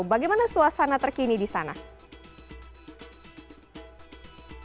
bagaimana suasana terkini di sana